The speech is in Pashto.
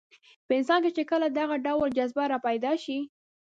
په انسان کې چې کله دغه ډول جذبه راپیدا شي.